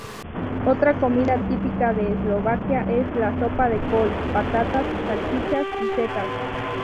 Otra comida típica de Eslovaquia es la sopa de col, patatas, salchichas y setas.